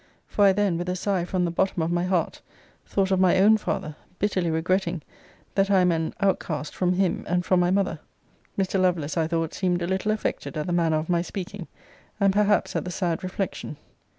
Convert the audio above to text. For I then, with a sigh from the bottom of my heart, thought of my own father; bitterly regretting, that I am an outcast from him and from my mother. Mr. Lovelace I thought seemed a little affected at the manner of my speaking, and perhaps at the sad reflection.